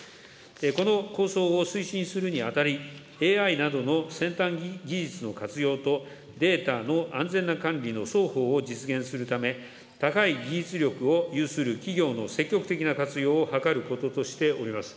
この構想を推進するにあたり、ＡＩなどの先端技術の活用と、データの安全な管理の双方を実現するため、高い技術力を有する企業の積極的な活用を図ることとしております。